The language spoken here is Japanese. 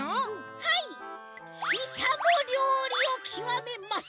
はいししゃもりょうりをきわめます！